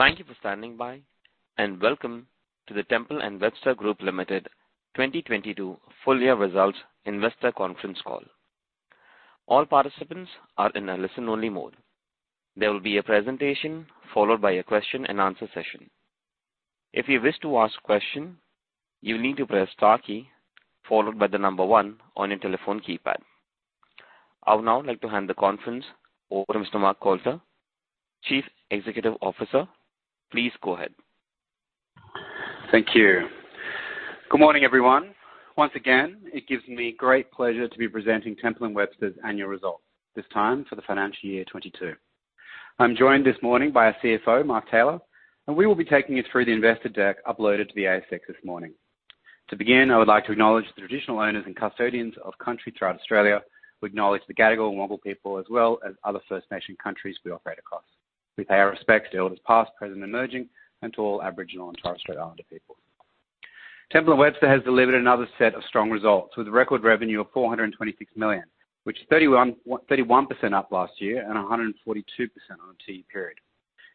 Thank you for standing by and welcome to the Temple & Webster Group Limited 2022 full year results investor conference call. All participants are in a listen-only mode. There will be a presentation followed by a question and answer session. If you wish to ask a question, you'll need to press star key followed by the number 1 on your telephone keypad. I would now like to hand the conference over to Mr. Mark Coulter, Chief Executive Officer. Please go ahead. Thank you. Good morning, everyone. Once again, it gives me great pleasure to be presenting Temple & Webster's annual results, this time for the financial year 2022. I'm joined this morning by our CFO, Mark Tayler, and we will be taking you through the investor deck uploaded to the ASX this morning. To begin, I would like to acknowledge the traditional owners and custodians of country throughout Australia. We acknowledge the Gadigal and Wangal people as well as other First Nation countries we operate across. We pay our respects to Elders, past, present, and emerging, and to all Aboriginal and Torres Strait Islander people. Temple & Webster has delivered another set of strong results with record revenue of 426 million, which is up 31% from last year and 142% on a two-year period.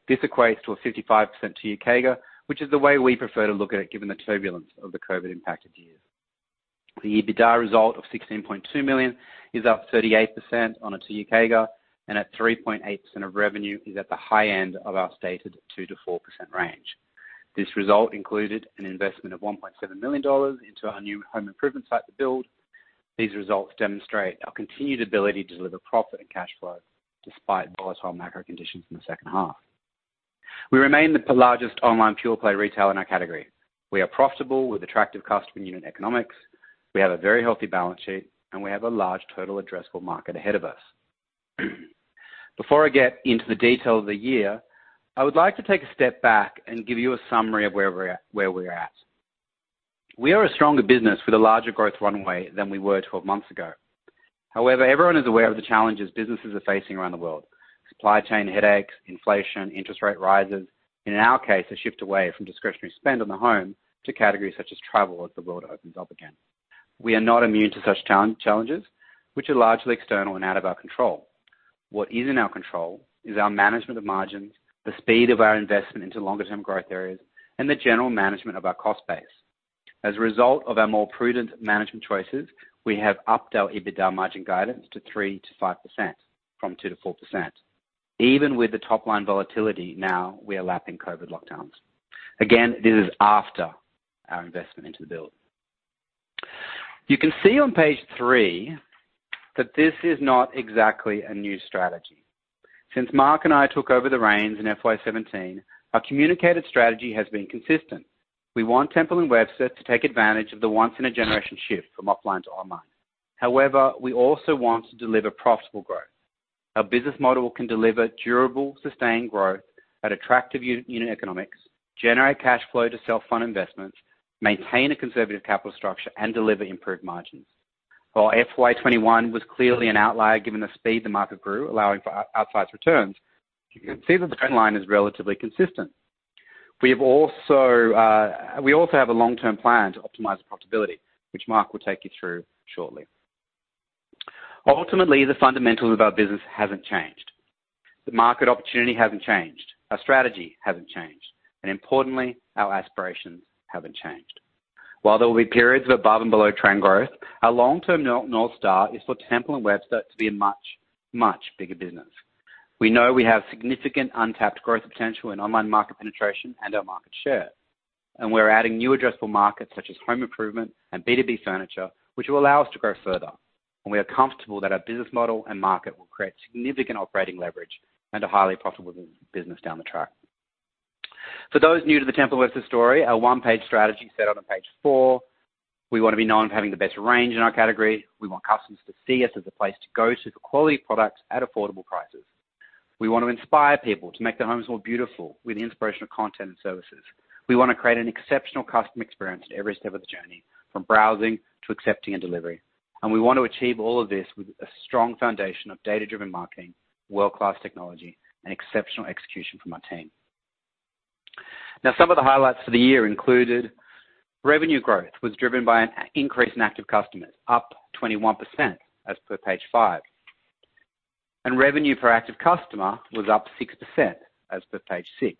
This equates to a 55% 2-Year CAGR, which is the way we prefer to look at it, given the turbulence of the COVID impacted years. The EBITDA result of 16.2 million is up 38% on a 2-Year CAGR and at 3.8% of revenue is at the high end of our stated 2%-4% range. This result included an investment of 1.7 million dollars into our new home improvement site, The Build. These results demonstrate our continued ability to deliver profit and cash flow despite volatile macro conditions in the second half. We remain the largest online pure-play retailer in our category. We are profitable with attractive customer unit economics. We have a very healthy balance sheet, and we have a large total addressable market ahead of us. Before I get into the details of the year, I would like to take a step back and give you a summary of where we're at. We are a stronger business with a larger growth runway than we were 12 months ago. However, everyone is aware of the challenges businesses are facing around the world, supply chain headaches, inflation, interest rate rises. In our case, a shift away from discretionary spend on the home to categories such as travel as the world opens up again. We are not immune to such challenges, which are largely external and out of our control. What is in our control is our management of margins, the speed of our investment into longer term growth areas, and the general management of our cost base. As a result of our more prudent management choices, we have upped our EBITDA margin guidance to 3%-5% from 2%-4%. Even with the top line volatility, now we are lapping COVID lockdowns. Again, this is after our investment into The Build. You can see on page 3 that this is not exactly a new strategy. Since Mark and I took over the reins in FY 2017, our communicated strategy has been consistent. We want Temple & Webster to take advantage of the once in a generation shift from offline to online. However, we also want to deliver profitable growth. Our business model can deliver durable, sustained growth at attractive unit economics, generate cash flow to self-fund investments, maintain a conservative capital structure, and deliver improved margins. While FY21 was clearly an outlier, given the speed the market grew, allowing for outsize returns, you can see that the trend line is relatively consistent. We also have a long-term plan to optimize profitability, which Mark will take you through shortly. Ultimately, the fundamentals of our business haven't changed. The market opportunity hasn't changed, our strategy hasn't changed, and importantly, our aspirations haven't changed. While there will be periods of above and below trend growth, our long-term North Star is for Temple & Webster to be a much, much bigger business. We know we have significant untapped growth potential in online market penetration and our market share, and we're adding new addressable markets such as home improvement and B2B furniture, which will allow us to grow further. We are comfortable that our business model and market will create significant operating leverage and a highly profitable business down the track. For those new to the Temple & Webster story, our one-page strategy is set out on page four. We wanna be known for having the best range in our category. We want customers to see us as a place to go to for quality products at affordable prices. We want to inspire people to make their homes more beautiful with inspirational content and services. We wanna create an exceptional customer experience at every step of the journey, from browsing to checkout and delivery. We want to achieve all of this with a strong foundation of data-driven marketing, world-class technology, and exceptional execution from our team. Now, some of the highlights for the year included. Revenue growth was driven by an increase in active customers, up 21%, as per page five. Revenue per active customer was up 6%, as per page six.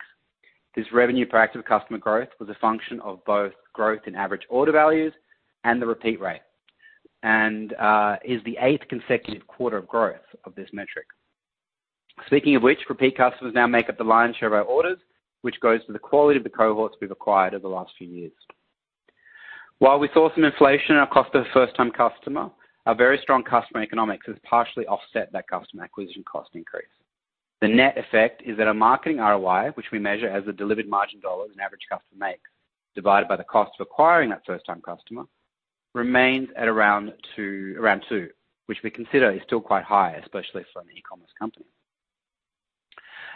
This revenue per active customer growth was a function of both growth in average order values and the repeat rate and is the eighth consecutive quarter of growth of this metric. Speaking of which, repeat customers now make up the lion's share of our orders, which goes to the quality of the cohorts we've acquired over the last few years. While we saw some inflation in our cost per first time customer, our very strong customer economics has partially offset that customer acquisition cost increase. The net effect is that our marketing ROI, which we measure as the delivered margin dollar an average customer makes divided by the cost of acquiring that first-time customer, remains at around 2, which we consider is still quite high, especially for an e-commerce company.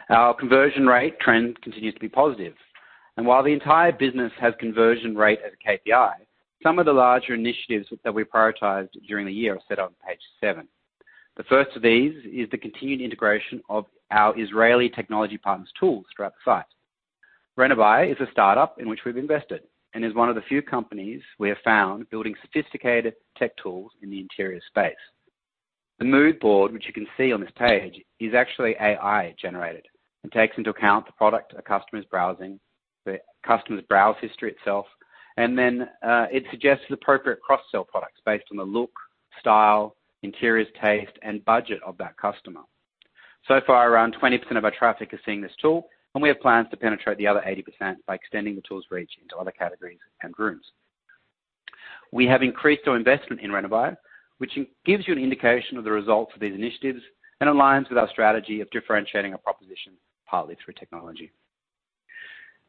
Our conversion rate trend continues to be positive, and while the entire business has conversion rate as a KPI, some of the larger initiatives that we prioritized during the year are set on page seven. The first of these is the continued integration of our Israeli technology partners' tools throughout the site. Renovai is a startup in which we've invested and is one of the few companies we have found building sophisticated tech tools in the interior space. The mood board, which you can see on this page, is actually AI-generated and takes into account the product a customer is browsing, the customer's browse history itself, and then it suggests appropriate cross-sell products based on the look, style, interiors taste, and budget of that customer. So far around 20% of our traffic is seeing this tool, and we have plans to penetrate the other 80% by extending the tool's reach into other categories and rooms. We have increased our investment in Renovai, which gives you an indication of the results of these initiatives and aligns with our strategy of differentiating our proposition partly through technology.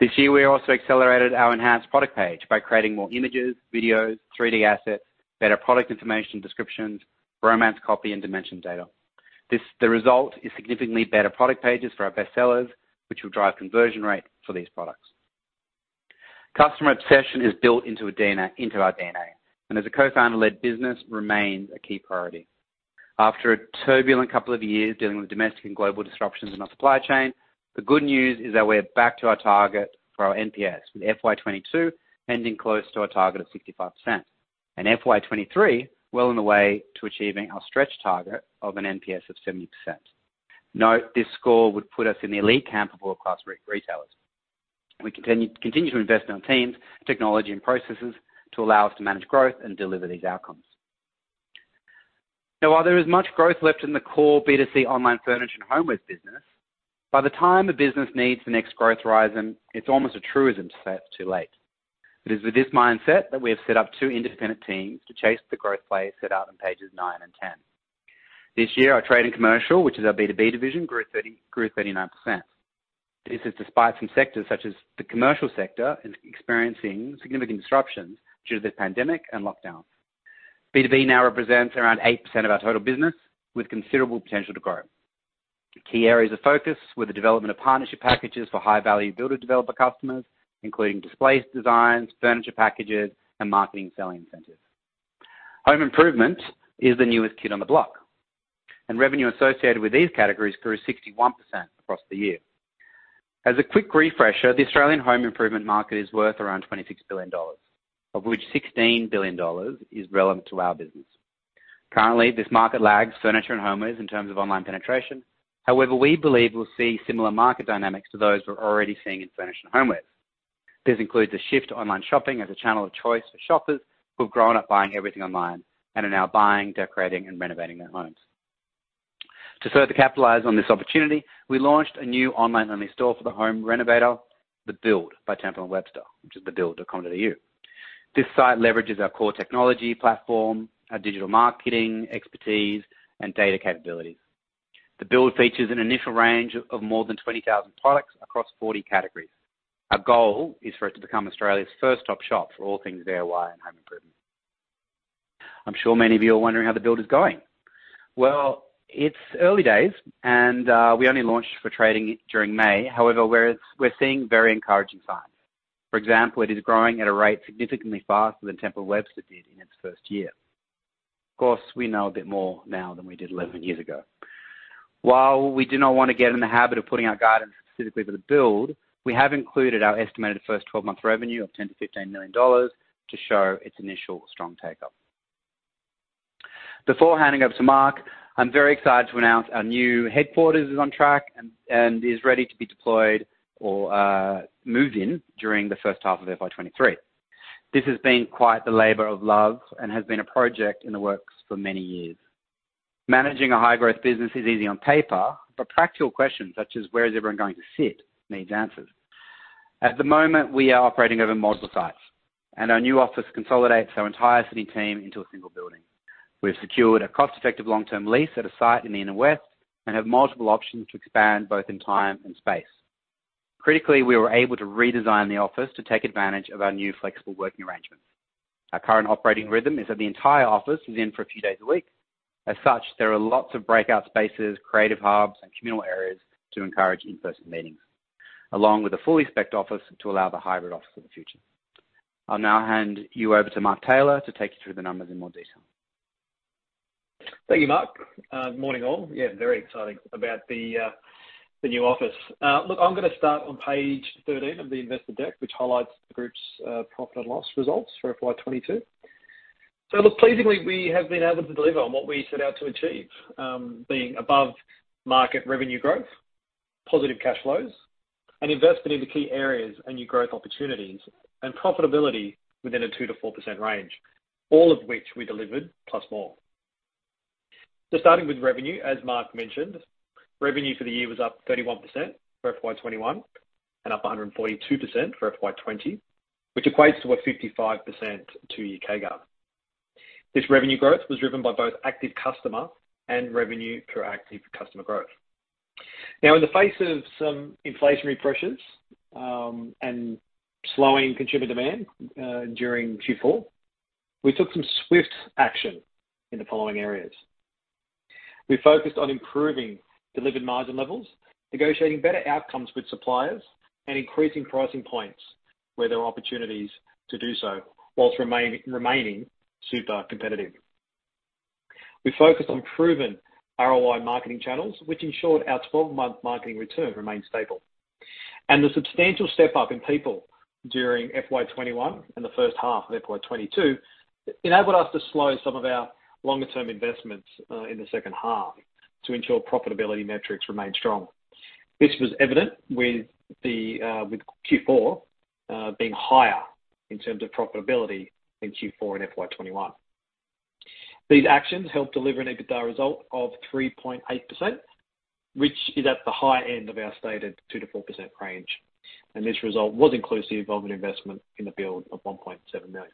This year, we also accelerated our enhanced product page by creating more images, videos, 3D assets, better product information descriptions, romance copy, and dimension data. The result is significantly better product pages for our best sellers, which will drive conversion rate for these products. Customer obsession is built into our DNA, and as a co-founder-led business remains a key priority. After a turbulent couple of years dealing with domestic and global disruptions in our supply chain, the good news is that we're back to our target for our NPS, with FY 2022 ending close to our target of 65%. FY 2023 well on the way to achieving our stretch target of an NPS of 70%. Note, this score would put us in the elite camp of world-class retailers. We continue to invest in our teams, technology, and processes to allow us to manage growth and deliver these outcomes. Now, while there is much growth left in the core B2C online furniture and homewares business, by the time the business needs the next growth rise, it's almost a truism to say it's too late. It is with this mindset that we have set up 2 independent teams to chase the growth plays set out on pages 9 and 10. This year, our Trade & Commercial, which is our B2B division, grew 39%. This is despite some sectors, such as the commercial sector, is experiencing significant disruptions due to the pandemic and lockdown. B2B now represents around 8% of our total business, with considerable potential to grow. The key areas of focus were the development of partnership packages for high-value builder developer customers, including display designs, furniture packages, and marketing selling incentives. Home improvement is the newest kid on the block, and revenue associated with these categories grew 61% across the year. As a quick refresher, the Australian home improvement market is worth around 26 billion dollars, of which 16 billion dollars is relevant to our business. Currently, this market lags furniture and homewares in terms of online penetration. However, we believe we'll see similar market dynamics to those we're already seeing in furniture and homewares. This includes a shift to online shopping as a channel of choice for shoppers who have grown up buying everything online and are now buying, decorating, and renovating their homes. To further capitalize on this opportunity, we launched a new online-only store for the home renovator, The Build by Temple & Webster, which is thebuild.com.au. This site leverages our core technology platform, our digital marketing expertise, and data capabilities. The Build features an initial range of more than 20,000 products across 40 categories. Our goal is for it to become Australia's top shop for all things DIY and home improvement. I'm sure many of you are wondering how The Build is going. Well, it's early days and, we only launched for trading during May. However, we're seeing very encouraging signs. For example, it is growing at a rate significantly faster than Temple & Webster did in its first year. Of course, we know a bit more now than we did 11 years ago. While we do not wanna get in the habit of putting our guidance specifically for The Build, we have included our estimated first 12-month revenue of 10 million-15 million dollars to show its initial strong take-up. Before handing over to Mark, I'm very excited to announce our new headquarters is on track and is ready to be deployed or moved in during the first half of FY 2023. This has been quite the labor of love and has been a project in the works for many years. Managing a high-growth business is easy on paper, but practical questions, such as where is everyone going to sit, needs answers. At the moment, we are operating over multiple sites, and our new office consolidates our entire city team into a single building. We've secured a cost-effective long-term lease at a site in the inner west and have multiple options to expand both in time and space. Critically, we were able to redesign the office to take advantage of our new flexible working arrangements. Our current operating rhythm is that the entire office is in for a few days a week. As such, there are lots of breakout spaces, creative hubs, and communal areas to encourage in-person meetings, along with a fully spec'd-out office to allow the hybrid office of the future. I'll now hand you over to Mark Tayler to take you through the numbers in more detail. Thank you, Mark. Good morning, all. Yeah, very exciting about the new office. Look, I'm gonna start on page 13 of the investor deck, which highlights the group's profit and loss results for FY 2022. Look, pleasingly, we have been able to deliver on what we set out to achieve, being above-market revenue growth, positive cash flows, and investment into key areas and new growth opportunities, and profitability within a 2%-4% range, all of which we delivered plus more. Starting with revenue, as Mark mentioned, revenue for the year was up 31% for FY 2021 and up 142% for FY 2020, which equates to a 55% two-year CAGR. This revenue growth was driven by both active customer and revenue per active customer growth. Now, in the face of some inflationary pressures and slowing consumer demand during Q4, we took some swift action in the following areas. We focused on improving delivered margin levels, negotiating better outcomes with suppliers, and increasing pricing points where there are opportunities to do so while remaining super competitive. We focused on proven ROI marketing channels, which ensured our 12-month marketing return remained stable. The substantial step up in people during FY 2021 and the first half of FY 2022 enabled us to slow some of our longer-term investments in the second half to ensure profitability metrics remained strong. This was evident with Q4 being higher in terms of profitability than Q4 in FY 2021. These actions helped deliver an EBITDA result of 3.8%, which is at the high end of our stated 2%-4% range, and this result was inclusive of all the investment in The Build of 1.7 million.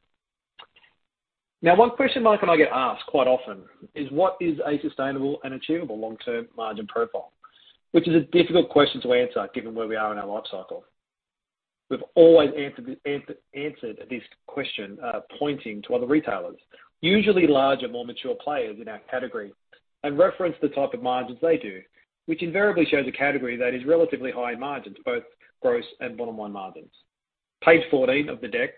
Now, one question Mark and I get asked quite often is what is a sustainable and achievable long-term margin profile? Which is a difficult question to answer given where we are in our life cycle. We've always answered this question, pointing to other retailers, usually larger, more mature players in our category, and reference the type of margins they do, which invariably shows a category that is relatively high in margins, both gross and bottom-line margins. Page fourteen of the deck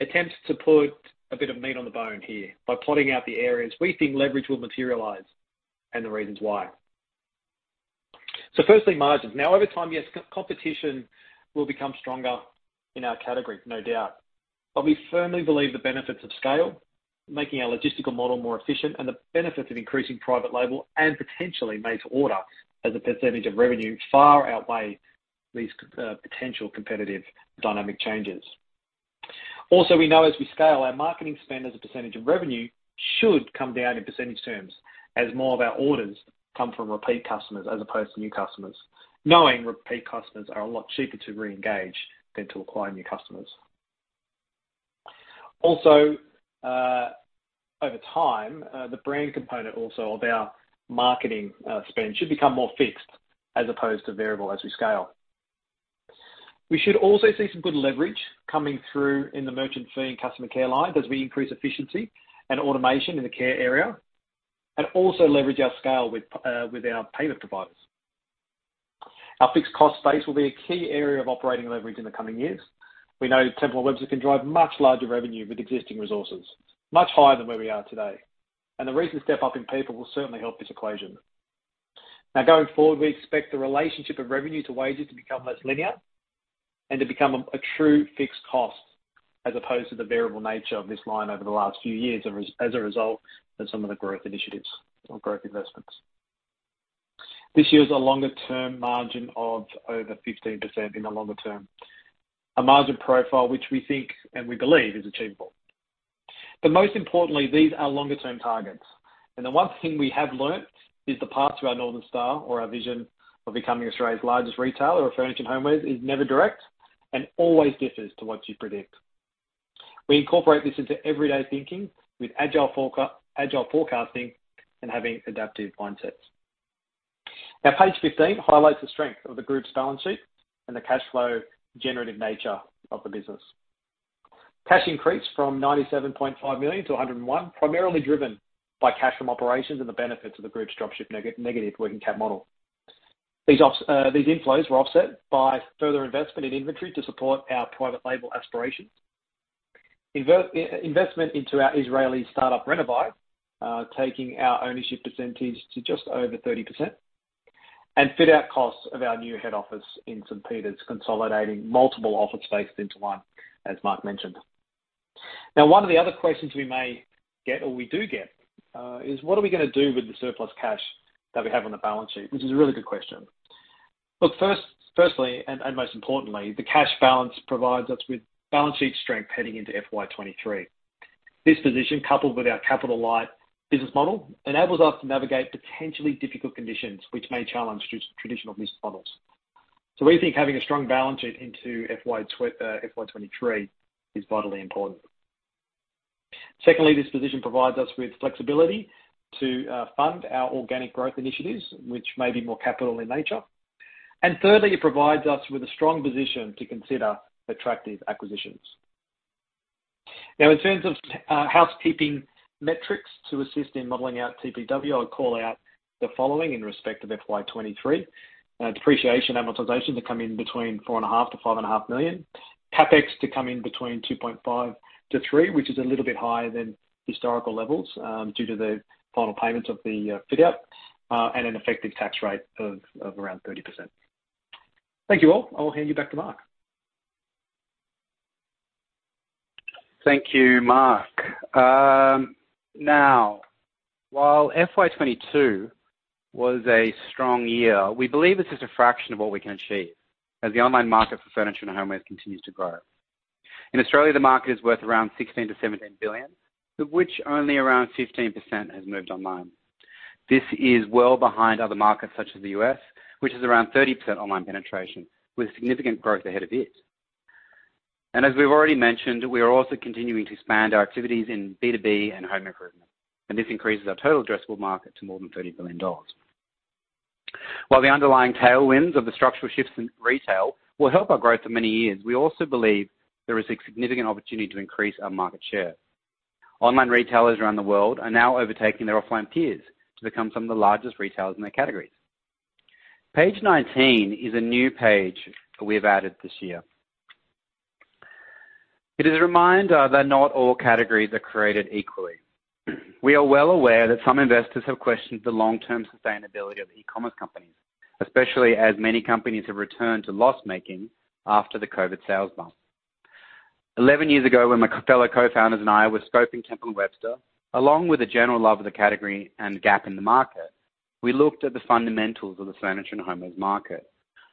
attempts to put a bit of meat on the bone here by plotting out the areas we think leverage will materialize and the reasons why. Firstly, margins. Now over time, yes, competition will become stronger in our category, no doubt. We firmly believe the benefits of scale, making our logistical model more efficient and the benefits of increasing private label and potentially made to order as a percentage of revenue far outweigh these potential competitive dynamic changes. Also, we know as we scale, our marketing spend as a percentage of revenue should come down in percentage terms as more of our orders come from repeat customers as opposed to new customers. Knowing repeat customers are a lot cheaper to reengage than to acquire new customers. Also, over time, the brand component also of our marketing spend should become more fixed as opposed to variable as we scale. We should also see some good leverage coming through in the merchant fee and customer care line as we increase efficiency and automation in the care area, and also leverage our scale with our payment providers. Our fixed cost base will be a key area of operating leverage in the coming years. We know Temple & Webster can drive much larger revenue with existing resources, much higher than where we are today, and the recent step up in people will certainly help this equation. Now, going forward, we expect the relationship of revenue to wages to become less linear and to become a true fixed cost as opposed to the variable nature of this line over the last few years as a result of some of the growth initiatives or growth investments. This year a longer-term margin of over 15% in the longer term. A margin profile which we think and we believe is achievable. Most importantly, these are longer-term targets, and the one thing we have learned is the path to our North Star or our vision of becoming Australia's largest retailer of furniture and homewares is never direct and always differs to what you predict. We incorporate this into everyday thinking with agile forecasting and having adaptive mindsets. Page 15 highlights the strength of the group's balance sheet and the cash flow generative nature of the business. Cash increased from 97.5 million to 101 million, primarily driven by cash from operations and the benefits of the group's dropship negative working cap model. These inflows were offset by further investment in inventory to support our private label aspirations. Investment into our Israeli startup, Renovai, taking our ownership percentage to just over 30% and fit out costs of our new head office in St. Peters, consolidating multiple office space into one, as Mark mentioned. One of the other questions we may get or we do get is what are we gonna do with the surplus cash that we have on the balance sheet? Which is a really good question. Look, firstly, most importantly, the cash balance provides us with balance sheet strength heading into FY 2023. This position, coupled with our capital light business model, enables us to navigate potentially difficult conditions which may challenge traditional business models. We think having a strong balance sheet into FY 2023 is vitally important. Secondly, this position provides us with flexibility to fund our organic growth initiatives, which may be more capital in nature. And thirdly, it provides us with a strong position to consider attractive acquisitions. Now in terms of housekeeping metrics to assist in modeling out TPW, I'd call out the following in respect of FY 2023. Depreciation, amortization to come in between 4.5 million-5.5 million. CapEx to come in between 2.5-3, which is a little bit higher than historical levels, due to the final payments of the fit out, and an effective tax rate of around 30%. Thank you, all. I will hand you back to Mark. Thank you, Mark. Now, while FY 22 was a strong year, we believe it's just a fraction of what we can achieve as the online market for furniture and homewares continues to grow. In Australia, the market is worth around 16-17 billion, of which only around 15% has moved online. This is well behind other markets such as the US, which is around 30% online penetration, with significant growth ahead of it. As we've already mentioned, we are also continuing to expand our activities in B2B and home improvement, and this increases our total addressable market to more than 30 billion dollars. While the underlying tailwinds of the structural shifts in retail will help our growth for many years, we also believe there is a significant opportunity to increase our market share. Online retailers around the world are now overtaking their offline peers to become some of the largest retailers in their categories. Page 19 is a new page we have added this year. It is a reminder that not all categories are created equally. We are well aware that some investors have questioned the long-term sustainability of e-commerce companies, especially as many companies have returned to loss-making after the COVID sales bump. 11 years ago, when my fellow co-founders and I were scoping Temple & Webster, along with a general love of the category and gap in the market, we looked at the fundamentals of the furniture and homewares market.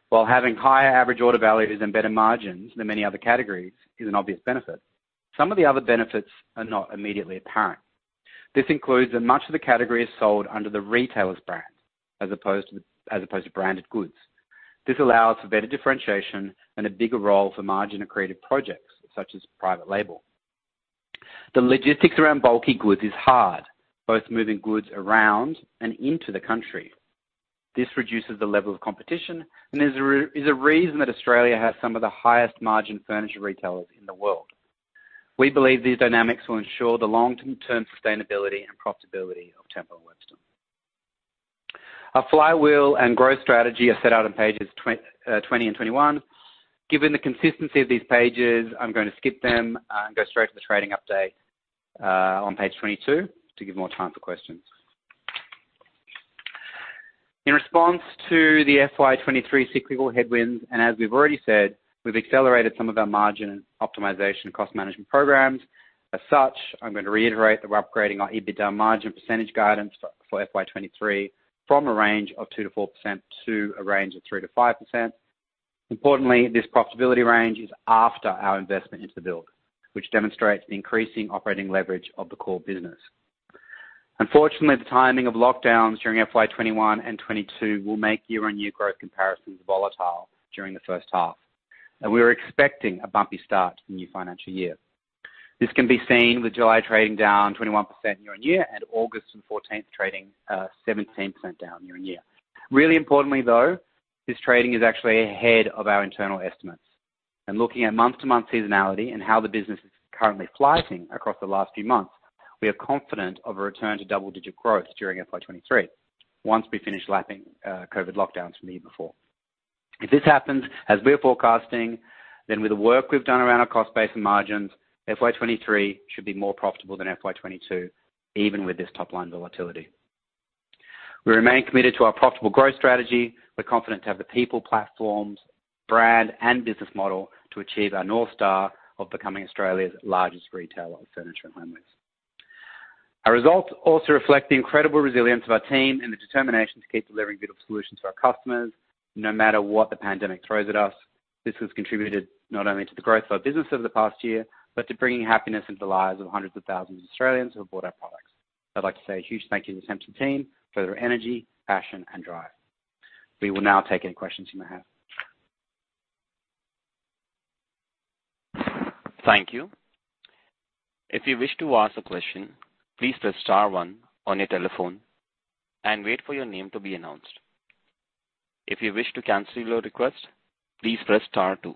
While having higher average order values and better margins than many other categories is an obvious benefit, some of the other benefits are not immediately apparent. This includes that much of the category is sold under the retailer's brand as opposed to branded goods. This allows for better differentiation and a bigger role for margin and creative projects such as private label. The logistics around bulky goods is hard, both moving goods around and into the country. This reduces the level of competition and is a reason that Australia has some of the highest margin furniture retailers in the world. We believe these dynamics will ensure the long-term sustainability and profitability of Temple & Webster. Our flywheel and growth strategy are set out on pages 20 and 21. Given the consistency of these pages, I'm gonna skip them and go straight to the trading update on page 22 to give more time for questions. In response to the FY 2023 cyclical headwinds, and as we've already said, we've accelerated some of our margin optimization and cost management programs. As such, I'm gonna reiterate that we're upgrading our EBITDA margin percentage guidance for FY 2023 from a range of 2%-4% to a range of 3%-5%. Importantly, this profitability range is after our investment into Build, which demonstrates the increasing operating leverage of the core business. Unfortunately, the timing of lockdowns during FY 2021 and 2022 will make year-on-year growth comparisons volatile during the first half, and we're expecting a bumpy start in the new financial year. This can be seen with July trading down 21% year-on-year and August fourteenth trading, seventeen percent down year-on-year. Really importantly, though, this trading is actually ahead of our internal estimates. Looking at month-to-month seasonality and how the business is currently flying across the last few months, we are confident of a return to double-digit growth during FY 23 once we finish lapping COVID lockdowns from the year before. If this happens as we're forecasting, then with the work we've done around our cost base and margins, FY 23 should be more profitable than FY 22, even with this top-line volatility. We remain committed to our profitable growth strategy. We're confident to have the people, platforms, brand, and business model to achieve our North Star of becoming Australia's largest retailer of furniture and homewares. Our results also reflect the incredible resilience of our team and the determination to keep delivering beautiful solutions to our customers, no matter what the pandemic throws at us. This has contributed not only to the growth of our business over the past year, but to bringing happiness into the lives of hundreds of thousands of Australians who have bought our products. I'd like to say a huge thank you to the Temple team for their energy, passion, and drive. We will now take any questions you may have. Thank you. If you wish to ask a question, please press star one on your telephone and wait for your name to be announced. If you wish to cancel your request, please press star two.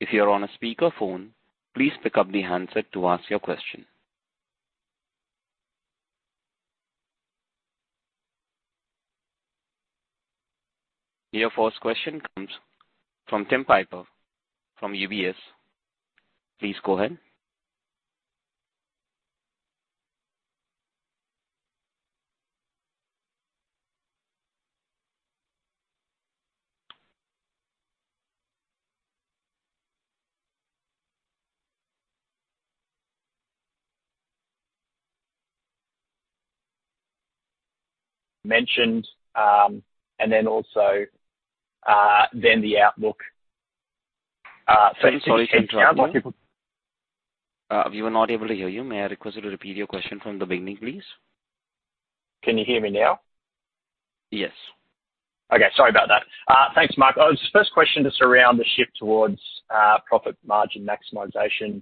If you're on a speakerphone, please pick up the handset to ask your question. Your first question comes from Tim Piper from UBS. Please go ahead. Mentioned, and then also, then the outlook. Sorry to interrupt you. We were not able to hear you. May I request you to repeat your question from the beginning, please? Can you hear me now? Yes. Okay. Sorry about that. Thanks, Mark. The first question is around the shift towards profit margin maximization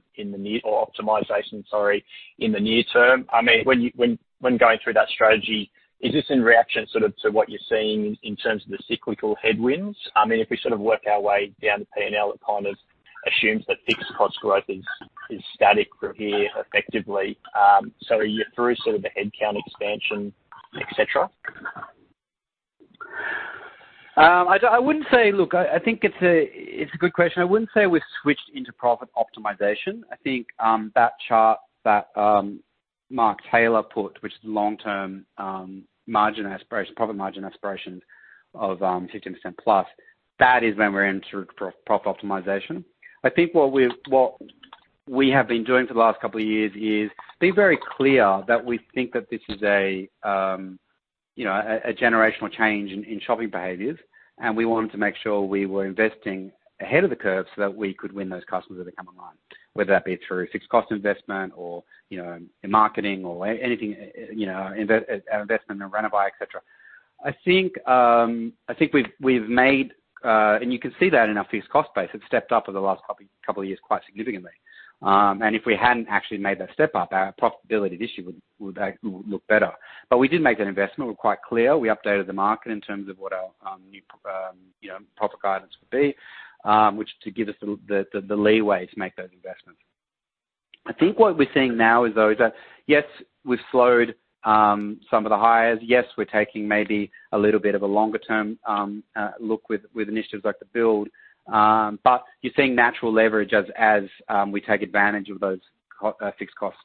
or optimization, sorry, in the near term. I mean, when going through that strategy, is this in reaction sort of to what you're seeing in terms of the cyclical headwinds? I mean, if we sort of work our way down the P&L, it kind of assumes that fixed cost growth is static from here effectively. Are you through sort of the headcount expansion, et cetera? Look, I think it's a good question. I wouldn't say we've switched into profit optimization. I think that chart that Mark Tayler put, which is long-term, profit margin aspiration of 15%+, that is when we're entering profit optimization. I think what we have been doing for the last couple of years is being very clear that we think that this is a you know, a generational change in shopping behaviors, and we wanted to make sure we were investing ahead of the curve so that we could win those customers as they come online. Whether that be through fixed cost investment or, you know, in marketing or anything, you know, investment in Renovai, et cetera. I think we've made, and you can see that in our fixed cost base. It's stepped up over the last couple of years quite significantly. If we hadn't actually made that step-up, our profitability this year would look better. We did make that investment. We're quite clear. We updated the market in terms of what our new, you know, profit guidance would be, which to give us the leeway to make those investments. I think what we're seeing now is that, yes, we've slowed some of the hires. Yes, we're taking maybe a little bit of a longer-term look with initiatives like the build. You're seeing natural leverage as we take advantage of those fixed cost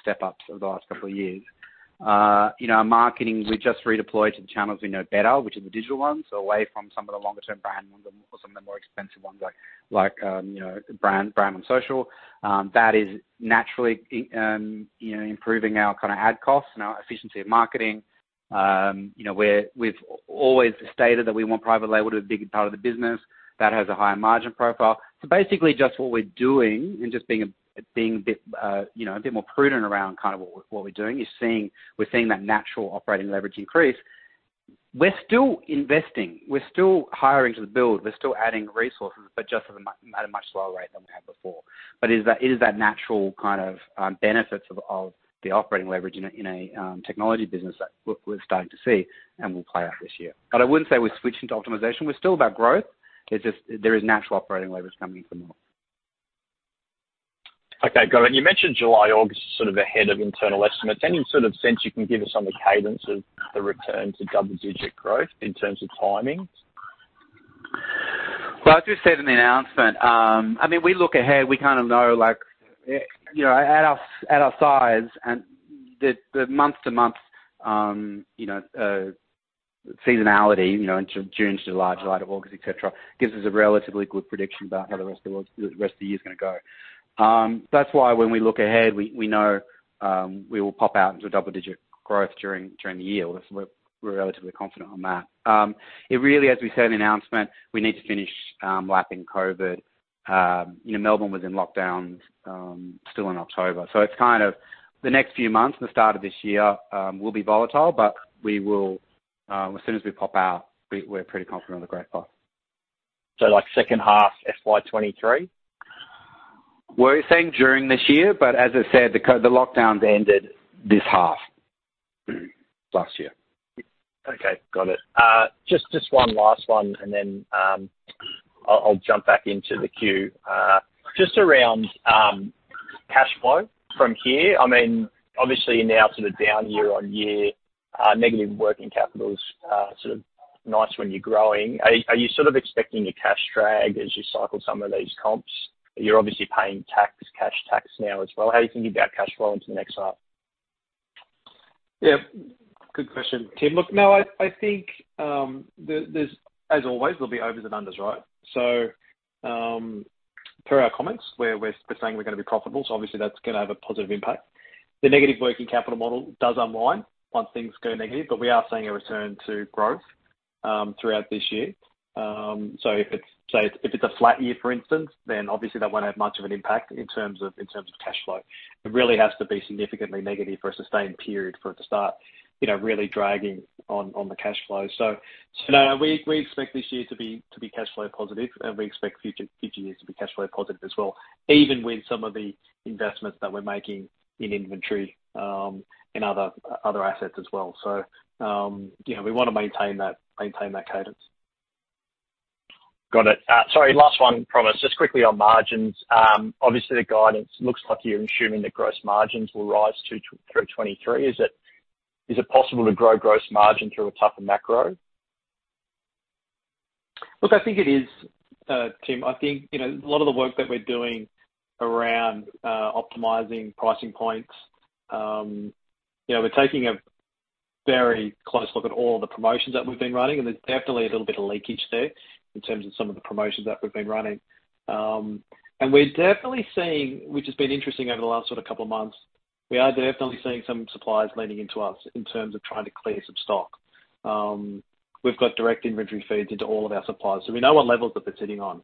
step-ups over the last couple of years. You know, our marketing, we just redeployed to the channels we know better, which is the digital ones, so away from some of the longer-term brand ones or some of the more expensive ones like you know, brand on social. That is naturally improving our kind of ad costs and our efficiency of marketing. You know, we've always stated that we want private label to be a big part of the business. That has a higher margin profile. Basically just what we're doing and just being a bit you know, a bit more prudent around kind of what we're doing is seeing we're seeing that natural operating leverage increase. We're still investing, we're still hiring to The Build, we're still adding resources, but just at a much slower rate than we have before. It is that natural kind of benefits of the operating leverage in a technology business that we're starting to see and will play out this year. I wouldn't say we're switching to optimization. We're still about growth. It's just there is natural operating levers coming into the model. Okay, got it. You mentioned July, August sort of ahead of internal estimates. Any sort of sense you can give us on the cadence of the return to double digit growth in terms of timing? Well, as we said in the announcement, I mean, we look ahead, we kind of know, like, you know, at our size and the month-to-month, you know, seasonality, you know, into June, July, August, et cetera, gives us a relatively good prediction about how the rest of the year's gonna go. That's why when we look ahead, we know we will pop out into a double-digit growth during the year. We're relatively confident on that. It really, as we said in the announcement, we need to finish lapping COVID. You know, Melbourne was in lockdown still in October. It's kind of the next few months and the start of this year will be volatile, but we will, as soon as we pop out, we're pretty confident on the growth path. Like second half FY 2023? We're saying during this year, but as I said, the lockdowns ended this half last year. Okay, got it. Just one last one, and then I'll jump back into the queue. Just around cash flow from here. I mean, obviously you're now sort of down year-over-year, negative working capital's sort of nice when you're growing. Are you sort of expecting a cash drag as you cycle some of these comps? You're obviously paying tax, cash tax now as well. How are you thinking about cash flow into the next half? Yeah. Good question, Tim. Look, no, I think, as always, there'll be overs and unders, right? Per our comments, we're saying we're gonna be profitable, so obviously that's gonna have a positive impact. The negative working capital model does unwind once things go negative, but we are seeing a return to growth throughout this year. If it's a flat year, for instance, then obviously that won't have much of an impact in terms of cash flow. It really has to be significantly negative for a sustained period for it to start, you know, really dragging on the cash flow. No, we expect this year to be cash flow positive, and we expect future years to be cash flow positive as well, even with some of the investments that we're making in inventory, and other assets as well. You know, we wanna maintain that cadence. Got it. Sorry, last one, promise. Just quickly on margins. Obviously the guidance looks like you're assuming the gross margins will rise through 2023. Is it possible to grow gross margin through a tougher macro? Look, I think it is, Tim. I think, you know, a lot of the work that we're doing around optimizing pricing points, you know, we're taking a very close look at all the promotions that we've been running, and there's definitely a little bit of leakage there in terms of some of the promotions that we've been running. We're definitely seeing, which has been interesting over the last sort of couple of months, we are definitely seeing some suppliers leaning into us in terms of trying to clear some stock. We've got direct inventory feeds into all of our suppliers, so we know what levels that they're sitting on.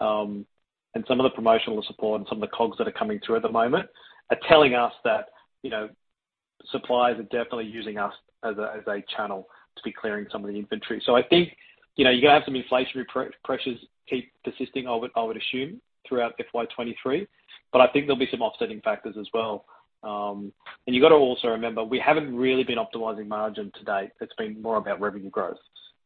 Some of the promotional support and some of the COGS that are coming through at the moment are telling us that, you know, suppliers are definitely using us as a channel to be clearing some of the inventory. I think, you know, you're gonna have some inflationary pressures keep persisting, I would assume, throughout FY 2023, but I think there'll be some offsetting factors as well. You've got to also remember, we haven't really been optimizing margin to date. It's been more about revenue growth.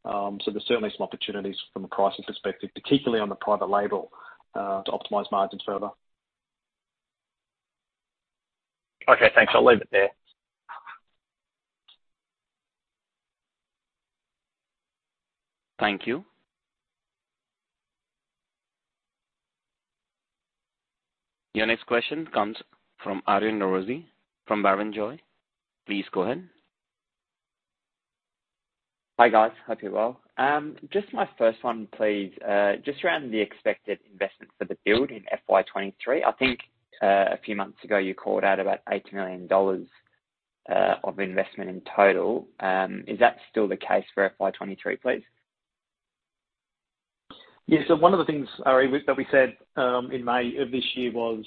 There's certainly some opportunities from a pricing perspective, particularly on the private label, to optimize margins further. Okay, thanks. I'll leave it there. Thank you. Your next question comes from Aryan Norozi from Barrenjoey. Please go ahead. Hi, guys. Hope you're well. Just my first one, please, just around the expected investment for The Build in FY 2023. I think, a few months ago, you called out about 8 million dollars of investment in total. Is that still the case for FY 2023, please? Yeah. One of the things, Aryan, that we said in May of this year was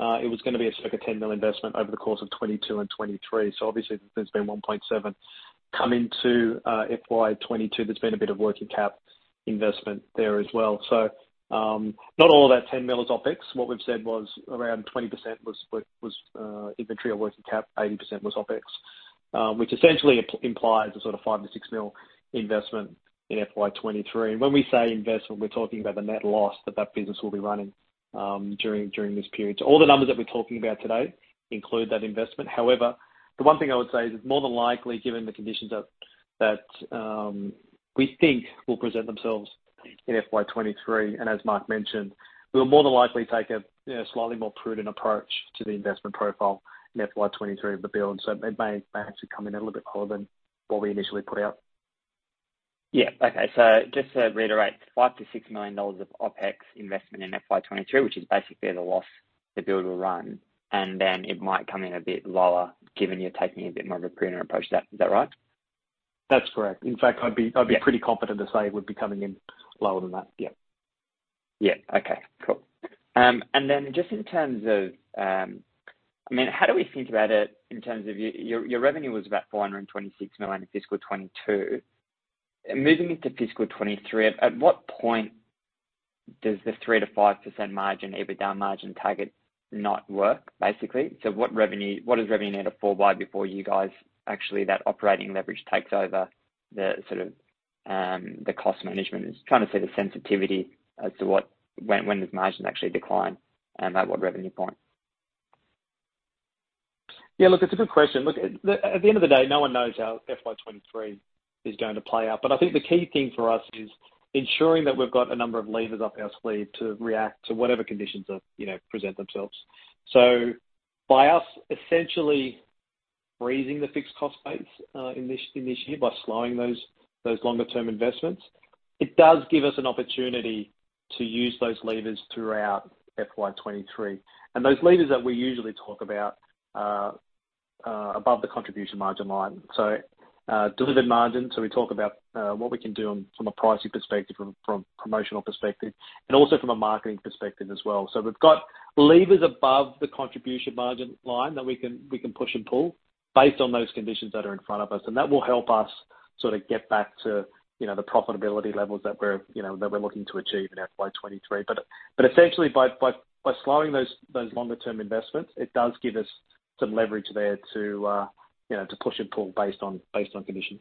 it was gonna be a sort of 10 million investment over the course of 2022 and 2023. Obviously there's been 1.7 million come into FY 2022. There's been a bit of working cap investment there as well. Not all of that 10 million is OpEx. What we've said was around 20% was inventory or working cap, 80% was OpEx. Which essentially implies a sort of 5-6 million investment in FY 2023. When we say investment, we're talking about the net loss that that business will be running during this period. All the numbers that we're talking about today include that investment. However, the one thing I would say is it's more than likely given the conditions that we think will present themselves in FY 2023. As Mark mentioned, we'll more than likely take a you know, slightly more prudent approach to the investment profile in FY 2023 of The Build. It may actually come in a little bit lower than what we initially put out. Yeah. Okay. Just to reiterate, 5-6 million dollars of OpEx investment in FY 2023, which is basically the loss The Build will run, and then it might come in a bit lower given you're taking a bit more of a prudent approach to that. Is that right? That's correct. In fact, Yeah. I'd be pretty confident to say it would be coming in lower than that. Yeah. Yeah. Okay. Cool. Just in terms of, I mean, how do we think about it in terms of your revenue was about 426 million in fiscal 2022. Moving into fiscal 2023, at what point does the 3%-5% EBITDA margin target not work, basically? What does revenue need to fall by before you guys actually, the operating leverage takes over the sort of, the cost management? Just trying to see the sensitivity as to when those margins actually decline and at what revenue point. Yeah. Look, it's a good question. Look, at the end of the day, no one knows how FY 2023 is going to play out. I think the key thing for us is ensuring that we've got a number of levers up our sleeve to react to whatever conditions are, you know, present themselves. By us essentially freezing the fixed cost base in this year by slowing those longer term investments, it does give us an opportunity to use those levers throughout FY 2023. Those levers that we usually talk about are above the contribution margin line. Delivered margin. We talk about what we can do from a pricing perspective, from promotional perspective, and also from a marketing perspective as well. We've got levers above the contribution margin line that we can push and pull based on those conditions that are in front of us. That will help us sorta get back to, you know, the profitability levels that we're looking to achieve in FY 2023. Essentially by slowing those longer term investments, it does give us some leverage there to, you know, push and pull based on conditions.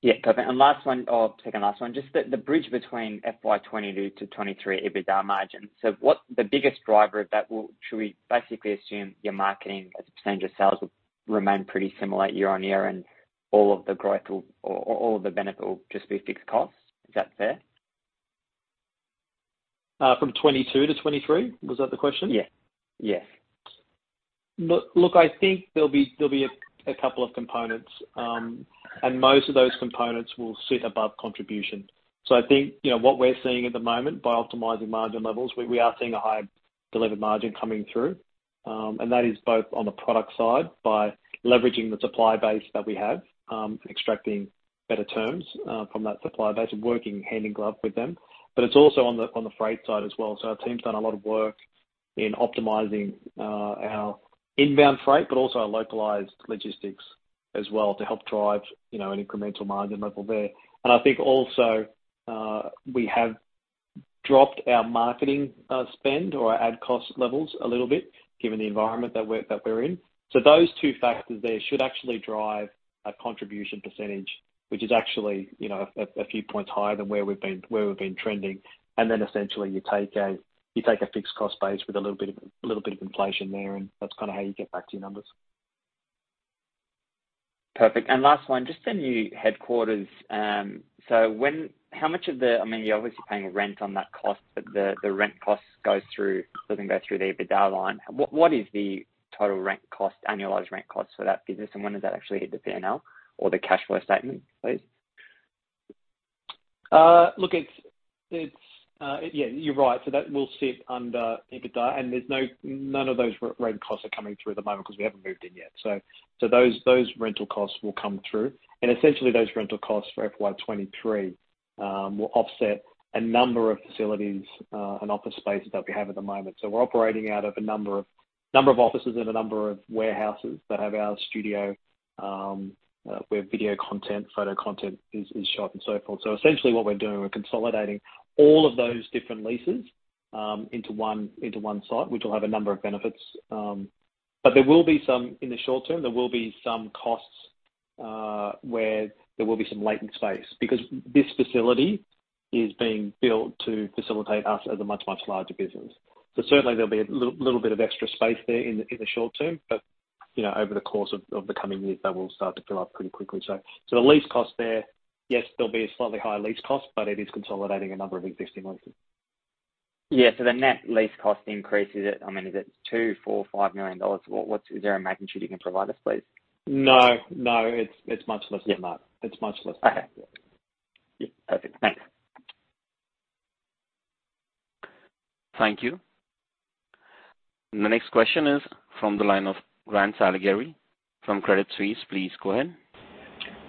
Yeah. Perfect. Last one, or second last one. Just the bridge between FY 2022 to 2023 EBITDA margin. So what's the biggest driver of that? Well, should we basically assume your marketing as a percentage of sales will remain pretty similar year-over-year and all of the growth will or all of the benefit will just be fixed costs? Is that fair? From 2022 to 2023? Was that the question? Yeah. Yeah. Look, I think there'll be a couple of components, and most of those components will sit above contribution. I think, you know, what we're seeing at the moment by optimizing margin levels, we are seeing a higher delivered margin coming through. And that is both on the product side by leveraging the supply base that we have, extracting better terms, from that supply base and working hand in glove with them. But it's also on the freight side as well. Our team's done a lot of work in optimizing, our inbound freight, but also our localized logistics as well to help drive, you know, an incremental margin level there. I think also, we have dropped our marketing spend or our ad cost levels a little bit given the environment that we're in. Those two factors there should actually drive a contribution percentage, which is actually, you know, a few points higher than where we've been trending. Essentially you take a fixed cost base with a little bit of inflation there, and that's kinda how you get back to your numbers. Perfect. Last one. Just the new headquarters. How much of the I mean, you're obviously paying rent on that cost, but the rent cost doesn't go through the EBITDA line. What is the total annualized rent cost for that business, and when does that actually hit the P&L or the cash flow statement, please? Look, it's. Yeah, you're right. That will sit under EBITDA, and there's none of those re-rent costs coming through at the moment because we haven't moved in yet. Those rental costs will come through. Essentially those rental costs for FY 2023 will offset a number of facilities and office spaces that we have at the moment. We're operating out of a number of offices and a number of warehouses that have our studio where video content, photo content is shot and so forth. Essentially what we're doing, we're consolidating all of those different leases into one site, which will have a number of benefits. In the short term, there will be some costs where there will be some latent space because this facility is being built to facilitate us as a much, much larger business. Certainly there'll be a little bit of extra space there in the short term. You know, over the course of the coming years, that will start to fill up pretty quickly. The lease cost there, yes, there'll be a slightly higher lease cost, but it is consolidating a number of existing leases. The net lease cost increase, I mean, is it 2 million, 4 million, 5 million dollars? Is there a magnitude you can provide us, please? No, it's much less than that. Yeah. It's much less. Okay. Yeah. Yeah. Perfect. Thanks. Thank you. The next question is from the line of Grant Saligari from Credit Suisse. Please go ahead.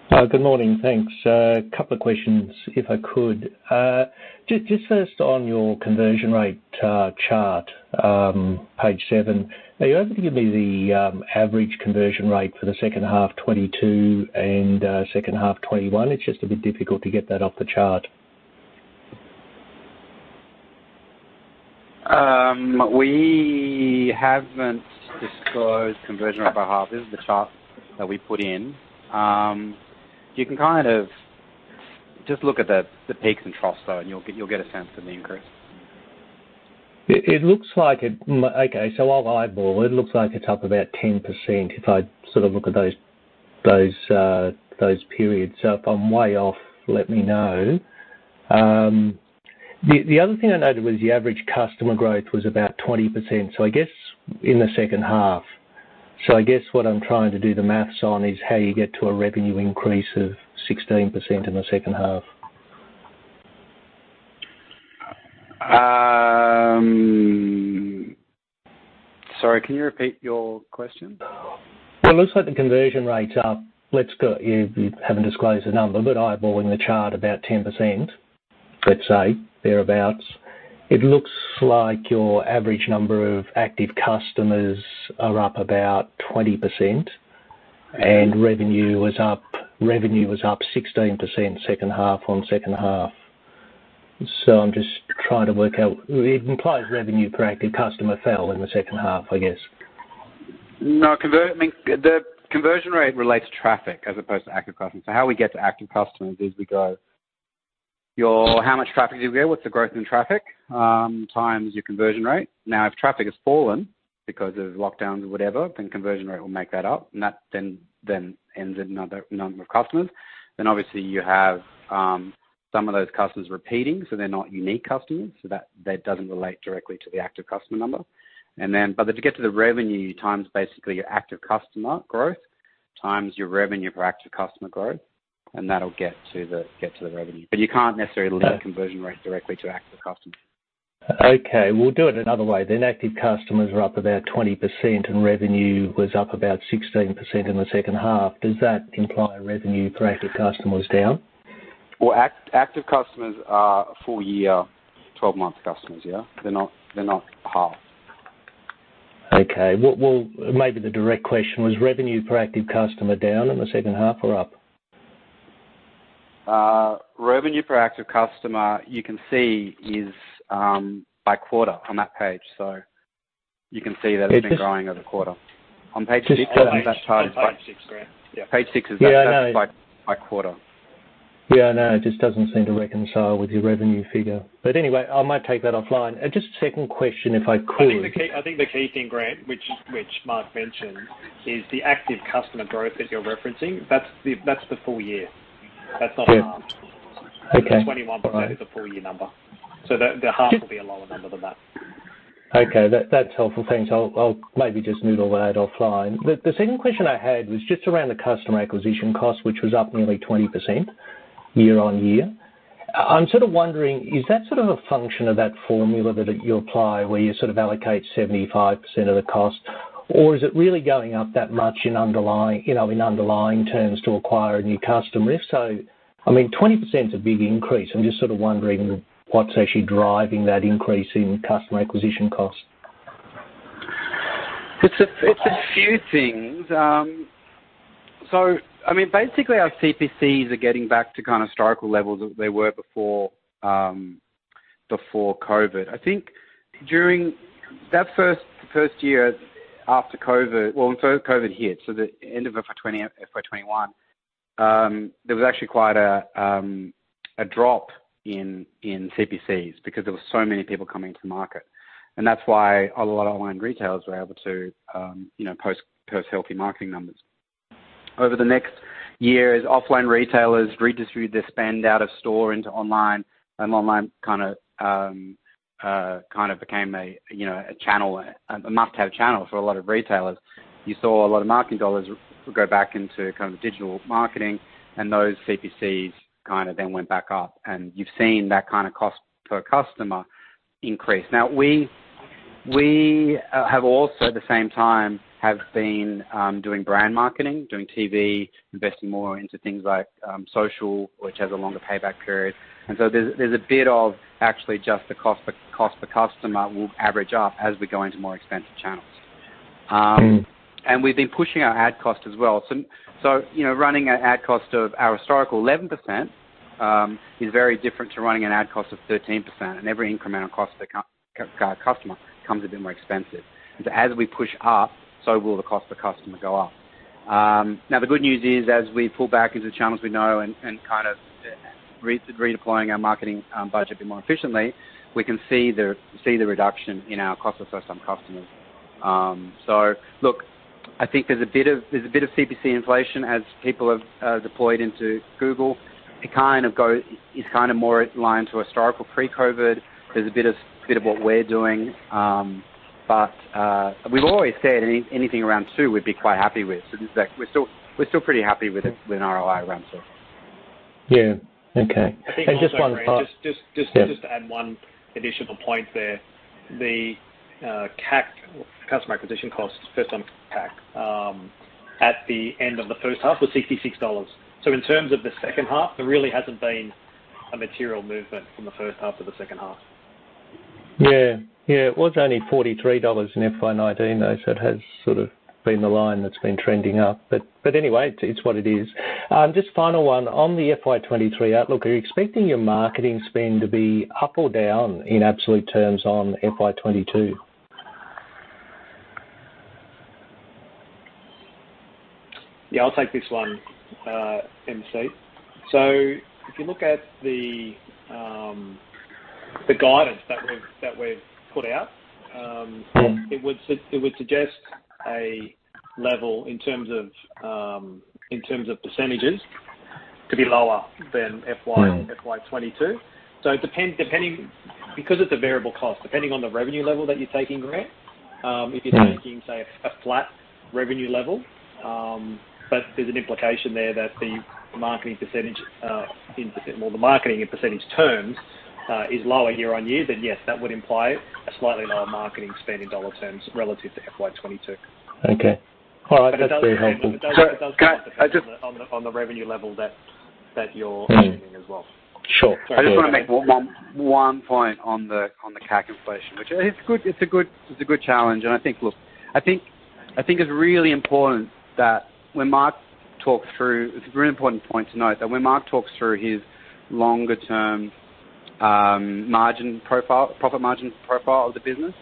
Good morning. Thanks. A couple of questions, if I could. Just first on your conversion rate chart, page 7. Are you able to give me the average conversion rate for the second half 2022 and second half 2021? It's just a bit difficult to get that off the chart. We haven't disclosed conversion rate by half. This is the chart that we put in. You can kind of just look at the peaks and troughs, though, and you'll get a sense of the increase. It looks like it. Okay, I'll eyeball. It looks like it's up about 10% if I sort of look at those periods. If I'm way off, let me know. The other thing I noted was the average customer growth was about 20%, so I guess in the second half. I guess what I'm trying to do the math on is how you get to a revenue increase of 16% in the second half. Sorry, can you repeat your question? Well, it looks like the conversion rates are, let's go, you haven't disclosed the number, but eyeballing the chart about 10%, let's say, thereabout. It looks like your average number of active customers are up about 20% and revenue was up 16% second half on second half. I'm just trying to work out. It implies revenue per active customer fell in the second half, I guess. No. I mean, the conversion rate relates to traffic as opposed to active customers. How we get to active customers is we go, you how much traffic did you get, what's the growth in traffic, times your conversion rate. Now, if traffic has fallen because of lockdowns, whatever, then conversion rate will make that up, and that then ends in another number of customers. Obviously you have some of those customers repeating, so they're not unique customers, so that doesn't relate directly to the active customer number. To get to the revenue, you times basically your active customer growth times your revenue per active customer growth, and that'll get to the revenue. You can't necessarily link conversion rates directly to active customers. Okay, we'll do it another way then. Active customers are up about 20% and revenue was up about 16% in the second half. Does that imply revenue per active customer was down? Well, active customers are full year, 12-month customers, yeah? They're not half. Well, maybe the direct question, was revenue per active customer down in the second half or up? Revenue per active customer, you can see is by quarter on that page. You can see that it's been growing over the quarter. On page six, that chart is like. On page six. Yeah. Page six is that's by quarter. Yeah, I know. It just doesn't seem to reconcile with your revenue figure. Anyway, I might take that offline. Just second question, if I could. I think the key thing, Grant, which Mark mentioned, is the active customer growth that you're referencing, that's the full year. That's not half. Yeah. Okay. The 21% is a full year number. The half will be a lower number than that. Okay. That's helpful. Thanks. I'll maybe just noodle that offline. The second question I had was just around the customer acquisition cost, which was up nearly 20% year-over-year. I'm sort of wondering, is that sort of a function of that formula that you apply, where you sort of allocate 75% of the cost? Or is it really going up that much in underlying, you know, in underlying terms to acquire a new customer? If so, I mean, 20% is a big increase. I'm just sort of wondering what's actually driving that increase in customer acquisition costs. It's a few things. I mean, basically our CPCs are getting back to kind of historical levels that they were before COVID. I think during that first year after COVID. When COVID hit, so the end of FY 21, there was actually quite a drop in CPCs because there were so many people coming to market. That's why a lot of online retailers were able to, you know, post healthy marketing numbers. Over the next years, offline retailers redistributed their spend out of store into online, and online kinda kind of became a, you know, a channel, a must-have channel for a lot of retailers. You saw a lot of marketing dollars go back into kind of digital marketing, and those CPCs kinda then went back up. You've seen that kinda cost per customer increase. Now, we have also at the same time have been doing brand marketing, doing TV, investing more into things like social, which has a longer payback period. There's a bit of actually just the cost per customer will average up as we go into more expensive channels. We've been pushing our ad cost as well. You know, running an ad cost of our historical 11% is very different to running an ad cost of 13%, and every incremental cost to acquire a customer becomes a bit more expensive. As we push up, so will the cost per customer go up. Now the good news is, as we pull back into the channels we know and kind of redeploying our marketing budget a bit more efficiently, we can see the reduction in our cost of first-time customers. Look, I think there's a bit of CPC inflation as people have deployed into Google. It's kinda more in line with historical pre-COVID. There's a bit of what we're doing. But we've always said anything around 2 we'd be quite happy with. This is like we're still pretty happy with it, with ROI around 2. Yeah. Okay. Just one last- Just to add one additional point there. The CAC, customer acquisition costs, first-time CAC, at the end of the first half was 66 dollars. In terms of the second half, there really hasn't been a material movement from the first half to the second half. Yeah. Yeah. It was only 43 dollars in FY 2019, though, so it has sort of been the line that's been trending up. But anyway, it's what it is. Just final one. On the FY 2023 outlook, are you expecting your marketing spend to be up or down in absolute terms on FY 2022? Yeah, I'll take this one, MC. If you look at the guidance that we've put out, it would suggest a level in terms of percentages to be lower than FY 2022. Because it's a variable cost, depending on the revenue level that you're taking, Grant, if you're taking, say, a flat revenue level, but there's an implication there that the marketing percentage, well, the marketing in percentage terms is lower year-on-year, then yes, that would imply a slightly lower marketing spend in dollar terms relative to FY 2022. Okay. All right. That's very helpful. It does kind of depend on the revenue level that you're aiming as well. Sure. I just wanna make one point on the CAC inflation, which it's a good challenge. I think it's really important. It's a really important point to note that when Mark talks through his longer term margin profile, profit margin profile of the business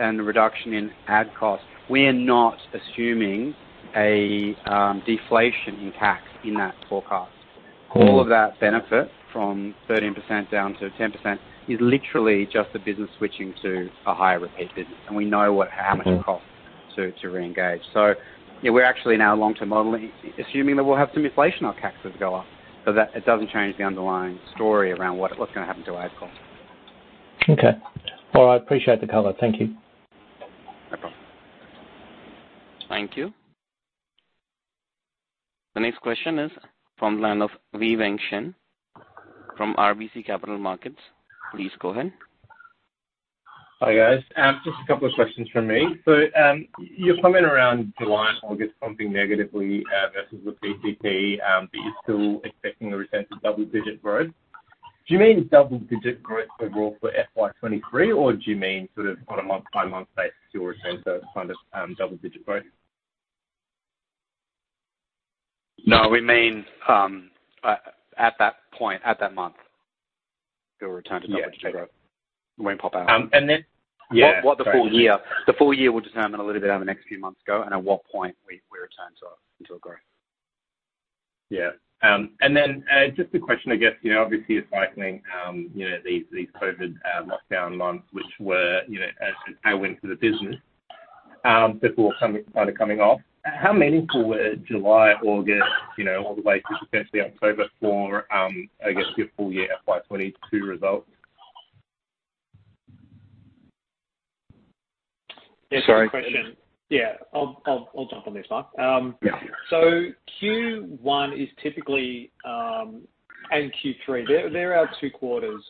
and the reduction in ad costs, we're not assuming a deflation in CAC in that forecast. All of that benefit from 13%-10% is literally just the business switching to a higher repeat business, and we know how much it costs to re-engage. Yeah, we're actually now long-term modeling, assuming that we'll have some inflation on CACs as we go up, but that it doesn't change the underlying story around what's gonna happen to ad cost. Okay. Well, I appreciate the color. Thank you. No problem. Thank you. The next question is from the line of Wei-Weng Chen from RBC Capital Markets. Please go ahead. Hi, guys. Just a couple of questions from me. Your comment around July and August coming in negatively versus the PCP, but you're still expecting a return to double-digit growth. Do you mean double-digit growth overall for FY 2023, or do you mean sort of on a month-by-month basis you'll return to kind of double-digit growth? No, we mean, at that point, at that month, we'll return to double-digit growth. Yeah. Okay. It won't pop out. Um, and then- The full year will determine a little bit how the next few months go and at what point we return to a growth. Yeah, just a question, I guess, you know, obviously you're cycling, you know, these COVID lockdown months, which were, you know, a tailwind for the business, before kind of coming off. How meaningful were July, August, you know, all the way to potentially October for, I guess, your full year FY 2022 results? Yeah. Good question. Sorry. Yeah. I'll jump on this one. Q1 is typically and Q3, they're our two quarters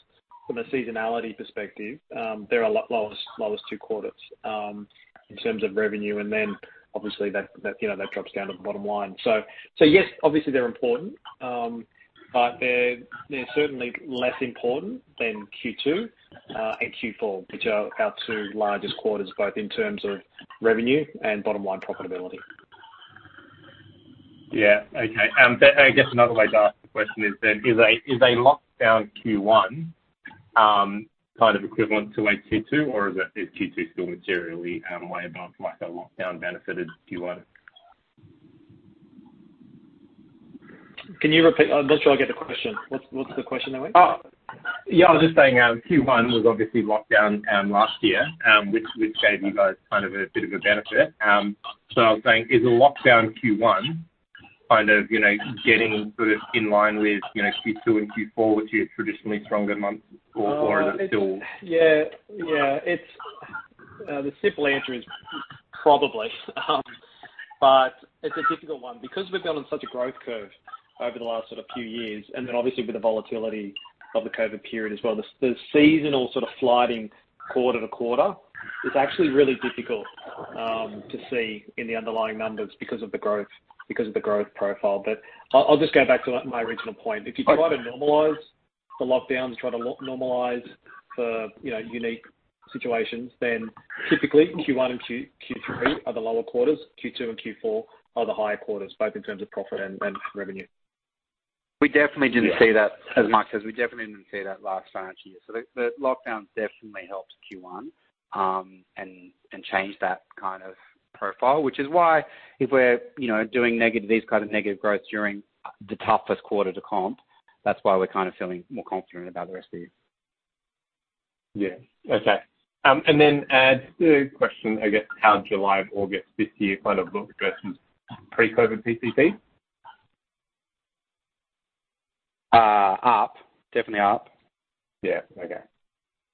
from a seasonality perspective. They're our lowest two quarters in terms of revenue, and then obviously that you know that drops down to the bottom line. Yes, obviously they're important, but they're certainly less important than Q2 and Q4, which are our two largest quarters, both in terms of revenue and bottom line profitability. Yeah. Okay. I guess another way to ask the question is then, is a lockdown Q1 kind of equivalent to a Q2, or is Q2 still materially way above like a lockdown benefited Q1? Can you repeat? I'm not sure I get the question. What's the question there, Wee? Oh. Yeah, I'm just saying, Q1 was obviously locked down last year, which gave you guys kind of a bit of a benefit. I was saying is a locked down Q1 kind of, you know, getting sort of in line with, you know, Q2 and Q4, which are your traditionally stronger months or is it still- The simple answer is probably. It's a difficult one because we've been on such a growth curve over the last sort of few years, and then obviously with the volatility of the COVID period as well, the seasonal sort of floating quarter to quarter is actually really difficult to see in the underlying numbers because of the growth profile. I'll just go back to original point. If you try to normalize the lockdowns, you know, unique situations, then typically Q1 and Q3 are the lower quarters. Q2 and Q4 are the higher quarters, both in terms of profit and revenue. We definitely didn't see that last financial year. Lockdowns definitely helped Q1 and changed that kind of profile. Which is why if we're, you know, doing negative, these kind of negative growths during the toughest quarter to comp, that's why we're kind of feeling more confident about the rest of the year. Yeah. Okay. Just a question, I guess, how July and August this year kind of look versus pre-COVID PCP? Up. Definitely up. Yeah. Okay.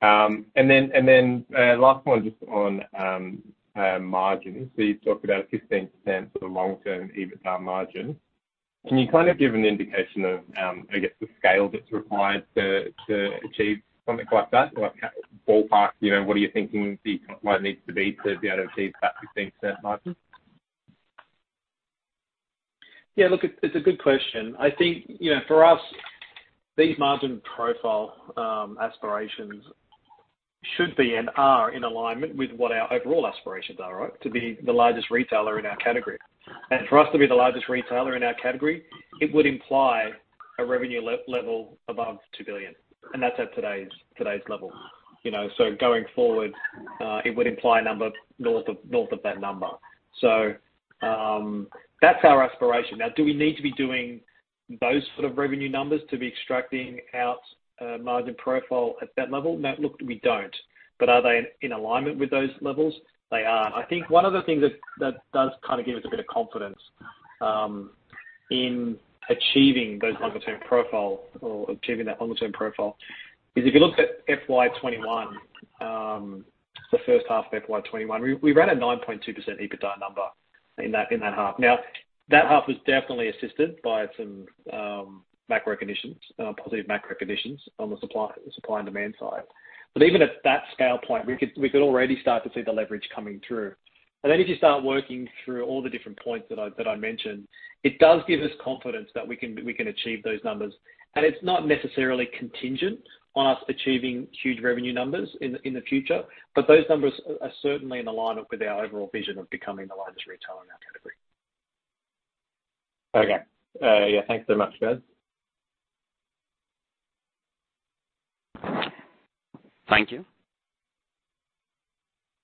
Last one just on margins. You've talked about a 15% sort of long-term EBITDA margin. Can you kind of give an indication of, I guess, the scale that's required to achieve something like that? Like ballpark, you know, what are you thinking the top line needs to be to be able to achieve that 15% margin? Yeah. Look, it's a good question. I think, you know, for us, these margin profile aspirations should be and are in alignment with what our overall aspirations are, right? To be the largest retailer in our category. For us to be the largest retailer in our category, it would imply a revenue level above 2 billion. That's at today's level. You know, going forward, it would imply a number north of that number. That's our aspiration. Now, do we need to be doing those sort of revenue numbers to be extracting out a margin profile at that level? No, look, we don't. But are they in alignment with those levels? They are. I think one of the things that does kind of give us a bit of confidence in achieving those longer-term profile or achieving that longer-term profile is if you look at FY 2021, the first half of FY 2021, we ran a 9.2% EBITDA number in that half. Now, that half was definitely assisted by some macro conditions, positive macro conditions on the supply and demand side. But even at that scale point, we could already start to see the leverage coming through. If you start working through all the different points that I mentioned, it does give us confidence that we can achieve those numbers. It's not necessarily contingent on us achieving huge revenue numbers in the future, but those numbers are certainly in line with our overall vision of becoming the largest retailer in our category. Okay. Yeah, thanks so much, guys. Thank you.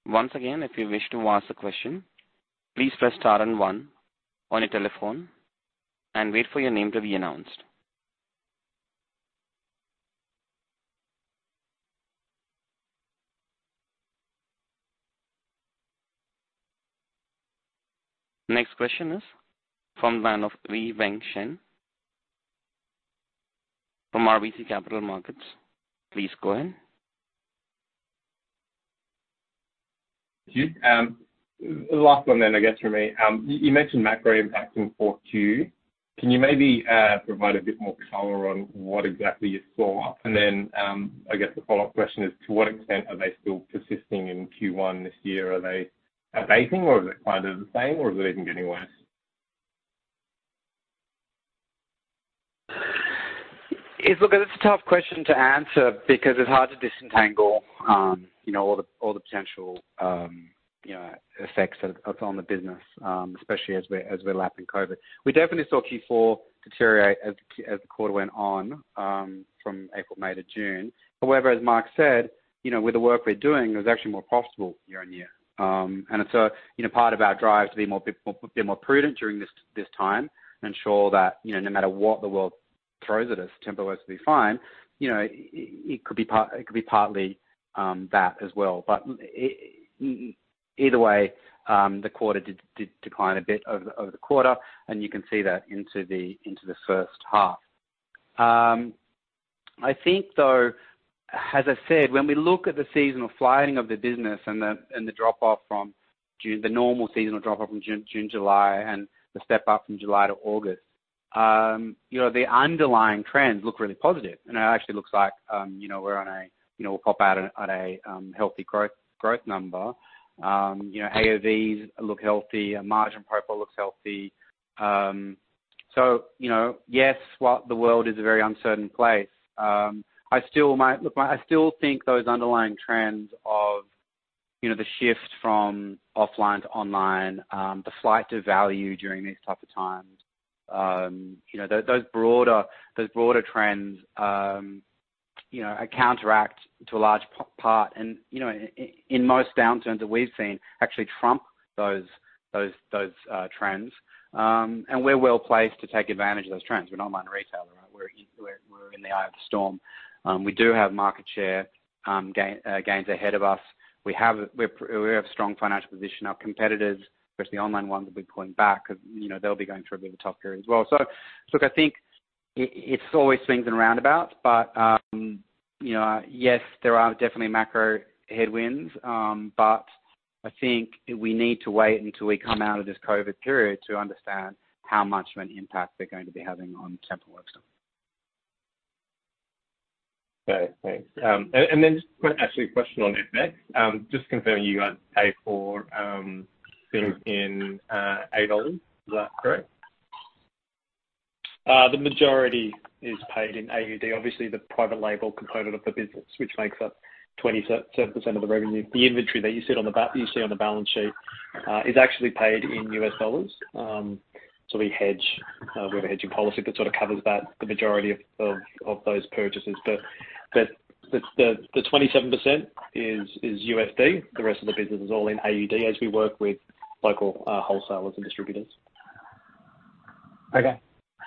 Once again, if you wish to ask a question, please press star and one on your telephone and wait for your name to be announced. Next question is from the line of Wei-Weng Chen from RBC Capital Markets. Please go ahead. Thank you. Last one then, I guess, from me. You mentioned macro impact in FY22. Can you maybe provide a bit more color on what exactly you saw? I guess the follow-up question is, to what extent are they still persisting in Q1 this year? Are they abating or is it kind of the same or is it even getting worse? Look, it's a tough question to answer because it's hard to disentangle, you know, all the potential effects on the business, especially as we're lapping COVID. We definitely saw Q4 deteriorate as the quarter went on, from April, May to June. However, as Mark said, you know, with the work we're doing, it was actually more profitable year-on-year. It's, you know, part of our drive to be more prudent during this time, ensure that, you know, no matter what the world throws at us, Temple will still be fine. You know, it could be part, it could be partly, that as well. Either way, the quarter did decline a bit over the quarter, and you can see that into the first half. I think though, as I said, when we look at the seasonal flow of the business and the drop off from June, the normal seasonal drop off from June, July, and the step up from July to August, you know, the underlying trends look really positive. It actually looks like, you know, we're on a, you know, we'll pop out at a healthy growth number. You know, AOV look healthy, our margin profile looks healthy. You know, yes, well, the world is a very uncertain place. I still think those underlying trends of, you know, the shift from offline to online, the flight to value during these type of times, you know, those broader trends, you know, counteract to a large part. You know, in most downturns that we've seen actually trump those trends. We're well-placed to take advantage of those trends. We're an online retailer, right? We're in the eye of the storm. We do have market share gains ahead of us. We have strong financial position. Our competitors, especially the online ones, will be pulling back 'cause, you know, they'll be going through a bit of a tough period as well. Look, I think it's always swings and roundabouts. You know, yes, there are definitely macro headwinds. I think we need to wait until we come out of this COVID period to understand how much of an impact they're going to be having on Temple & Webster. Okay, thanks. Just quickly actually a question on. Just confirming you guys pay for things in Australian dollars. Is that correct? The majority is paid in AUD. Obviously, the private label component of the business, which makes up 27% of the revenue. The inventory that you see on the balance sheet is actually paid in US dollars. We hedge, we have a hedging policy that sort of covers about the majority of those purchases. The 27% is USD. The rest of the business is all in AUD as we work with local wholesalers and distributors. Okay.